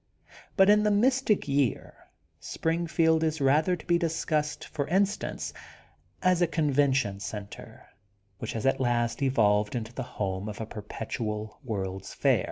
But in the Mystic Tear, Springfield is rather to be discussed, for instance — ^as a con vention center, which has at last evolved into the home of a perpetual World's Fair.